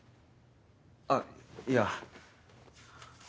あっいや。